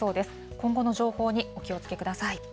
今後の情報にお気をつけください。